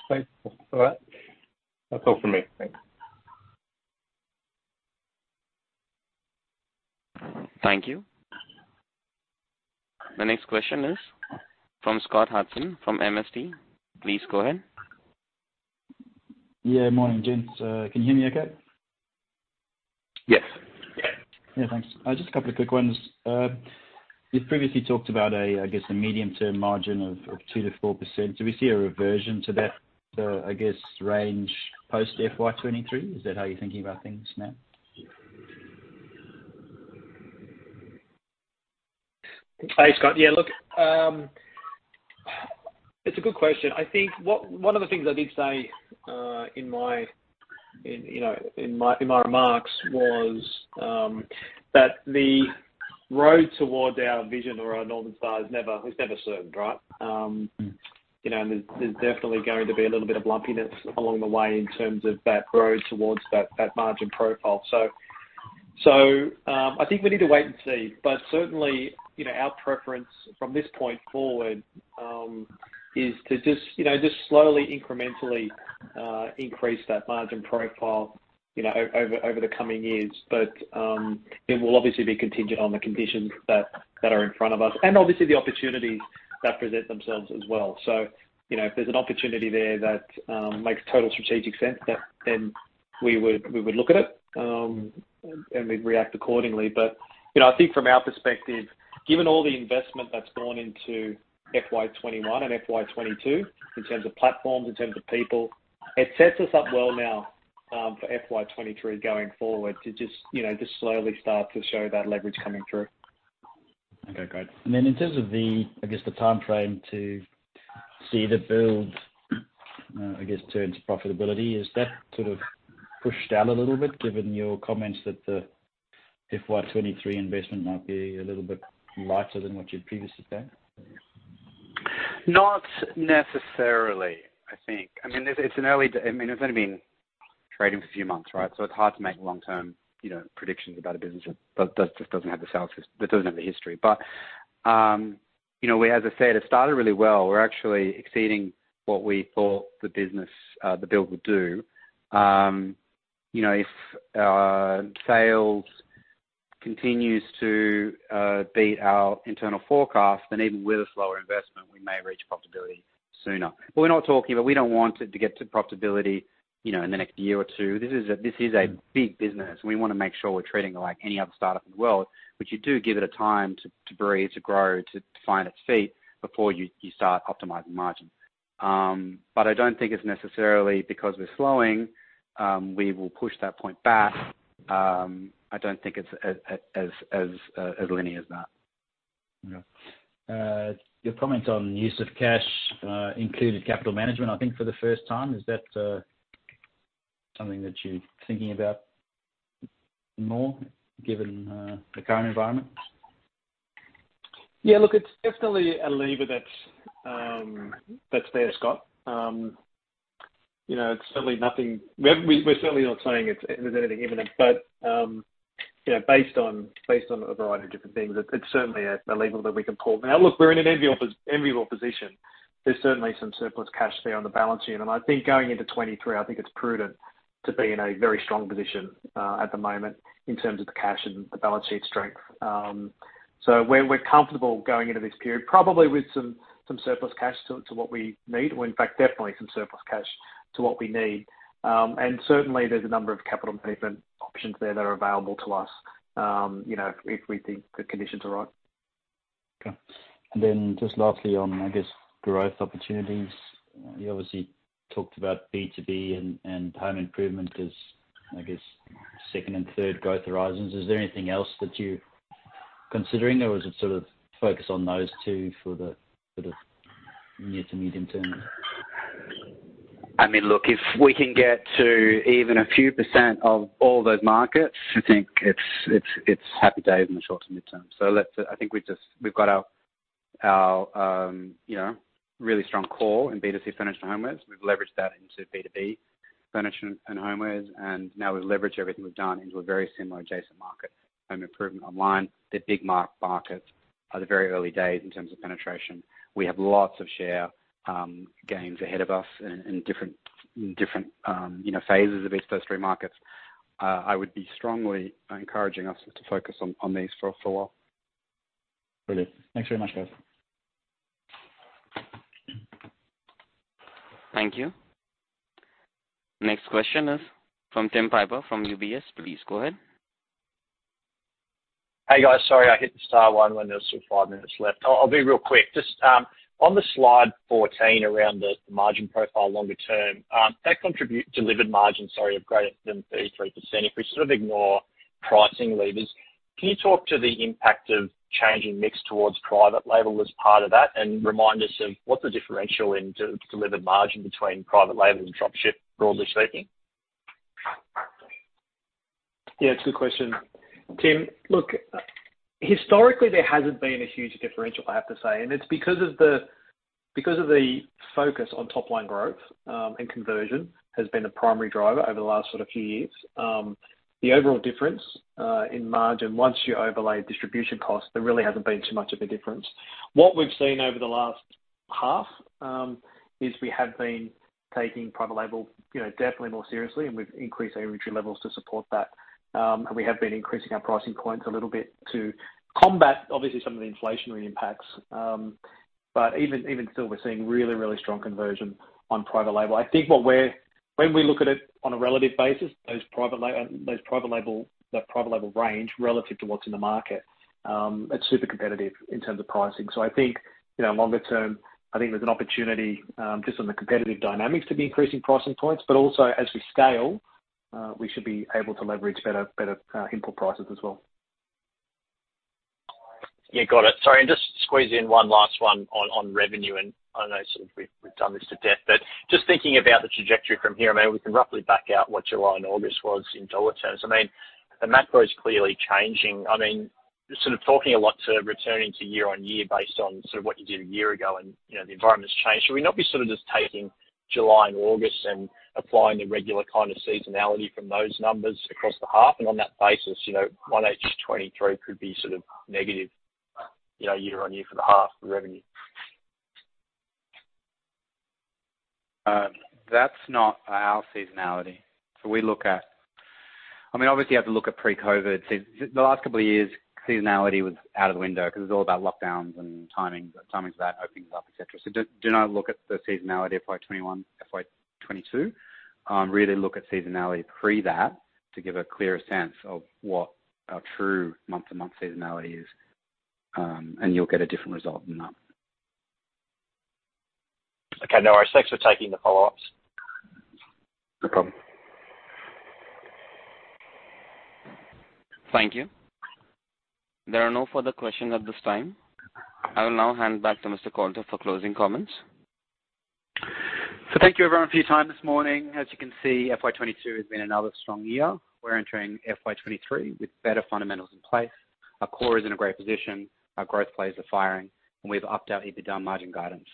Great. All right. That's all for me. Thanks. Thank you. The next question is from Scott Hudson from MST. Please go ahead. Yeah, morning, gents. Can you hear me okay? Yes. Yeah, thanks. Just a couple of quick ones. You've previously talked about, I guess, a medium-term margin of 2%-4%. Do we see a reversion to that, I guess, range post FY 2023? Is that how you're thinking about things now? Hey, Scott. Yeah, look, it's a good question. I think one of the things I did say, you know, in my remarks was that the road towards our vision or our North Star is never certain, right? Mm-hmm. You know, there's definitely going to be a little bit of lumpiness along the way in terms of that road towards that margin profile. I think we need to wait and see. Certainly, you know, our preference from this point forward is to just, you know, slowly, incrementally increase that margin profile, you know, over the coming years. It will obviously be contingent on the conditions that are in front of us, and obviously the opportunities that present themselves as well. You know, if there's an opportunity there that makes total strategic sense, then we would look at it, and we'd react accordingly. You know, I think from our perspective, given all the investment that's gone into FY 2021 and FY 2022 in terms of platforms, in terms of people, it sets us up well now for FY 2023 going forward to just, you know, just slowly start to show that leverage coming through. Okay, great. In terms of the, I guess, the timeframe to see The Build, I guess, turn to profitability, is that sort of pushed out a little bit given your comments that the FY 2023 investment might be a little bit lighter than what you'd previously said? Not necessarily, I think. I mean, it's only been trading for a few months, right? It's hard to make long-term, you know, predictions about a business that just doesn't have the history. You know, as I said, it started really well. We're actually exceeding what we thought the business, The Build would do. You know, if our sales continues to beat our internal forecast, then even with a slower investment, we may reach profitability sooner. We don't want it to get to profitability, you know, in the next year or two. This is a big business. We wanna make sure we're treating it like any other startup in the world, which you do give it a time to breathe, to grow, to find its feet before you start optimizing margin. I don't think it's necessarily because we're slowing. We will push that point back. I don't think it's as linear as that. Yeah. Your comment on use of cash included capital management, I think, for the first time. Is that something that you're thinking about more given the current environment? Yeah. Look, it's definitely a lever that's there, Scott. You know, it's certainly nothing. We're certainly not saying there's anything imminent. You know, based on a variety of different things, it's certainly a lever that we can pull. Now look, we're in an enviable position. There's certainly some surplus cash there on the balance sheet. I think going into 2023, it's prudent to be in a very strong position at the moment in terms of the cash and the balance sheet strength. We're comfortable going into this period probably with some surplus cash to what we need, or in fact definitely some surplus cash to what we need. Certainly there's a number of capital placement options there that are available to us, you know, if we think the conditions are right. Okay. Just lastly on, I guess, growth opportunities. You obviously talked about B2B and home improvement as, I guess, second and third growth horizons. Is there anything else that you're considering, or is it sort of focused on those two for the sort of near to medium term? I mean, look, if we can get to even a few % of all those markets, I think it's happy days in the short to midterm. Let's, I think we've just we've got our you know, really strong core in B2C furniture and homewares. We've leveraged that into B2B furniture and homewares, and now we leverage everything we've done into a very similar adjacent market, home improvement online. They're big markets at a very early days in terms of penetration. We have lots of share gains ahead of us in different you know, phases of each of those three markets. I would be strongly encouraging us to focus on these for a while. Brilliant. Thanks very much, guys. Thank you. Next question is from Tim Piper from UBS. Please go ahead. Hey, guys. Sorry, I hit the star one when there was still 5 minutes left. I'll be real quick. Just on the slide 14 around the margin profile longer term, that contribute to delivered margin, sorry, of greater than 33%. If we sort of ignore pricing levers, can you talk to the impact of changing mix towards private label as part of that, and remind us of what the differential in delivered margin between private label and dropship, broadly speaking? Yeah, it's a good question. Tim, look, historically, there hasn't been a huge differential, I have to say. It's because of the focus on top line growth, and conversion has been the primary driver over the last sort of few years. The overall difference in margin, once you overlay distribution costs, there really hasn't been too much of a difference. What we've seen over the last half is we have been taking private label, you know, definitely more seriously, and we've increased our inventory levels to support that. We have been increasing our pricing points a little bit to combat obviously some of the inflationary impacts. Even still, we're seeing really strong conversion on private label. I think when we look at it on a relative basis, those private label, the private label range relative to what's in the market, it's super competitive in terms of pricing. I think, you know, longer term, I think there's an opportunity just on the competitive dynamics to be increasing pricing points, but also as we scale, we should be able to leverage better input prices as well. Yeah. Got it. Sorry. Just squeeze in one last one on revenue. I know sort of we've done this to death, but just thinking about the trajectory from here, I mean, we can roughly back out what July and August was in dollar terms. I mean, the macro is clearly changing. I mean, sort of talking a lot to returning to year-on-year based on sort of what you did a year ago and, you know, the environment's changed. Should we not be sort of just taking July and August and applying the regular kind of seasonality from those numbers across the half? On that basis, you know, 1H 2023 could be sort of negative, you know, year-on-year for the half revenue. That's not our seasonality. We look at. I mean, obviously you have to look at pre-COVID. The last couple of years, seasonality was out of the window because it was all about lockdowns and timing, timings of that, openings up, et cetera. Do not look at the seasonality of FY 2021, FY 2022. Really look at seasonality pre that to give a clearer sense of what our true month to month seasonality is. You'll get a different result than that. Okay. No worries. Thanks for taking the follow-ups. No problem. Thank you. There are no further questions at this time. I will now hand back to Mr. Coulter for closing comments. Thank you everyone for your time this morning. As you can see, FY 2022 has been another strong year. We're entering FY 2023 with better fundamentals in place. Our core is in a great position. Our growth plays are firing, and we've upped our EBITDA margin guidance.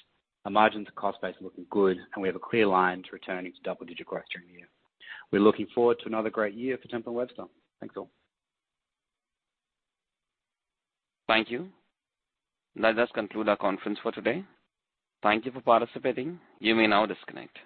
Our margins and cost base are looking good, and we have a clear line to returning to double-digit growth during the year. We're looking forward to another great year for Temple & Webster. Thanks, all. Thank you. That does conclude our conference for today. Thank you for participating. You may now disconnect.